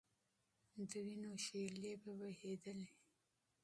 د وینو شېلې به بهېدلې.